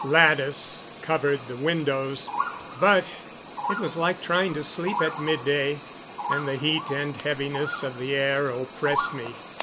Lattice covered the windows, but it was like trying to sleep at midday; and the heat and heaviness of the air oppressed me.